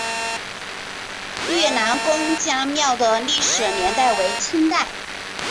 愈南公家庙的历史年代为清代。